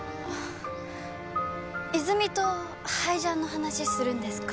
泉とハイジャンの話するんですか？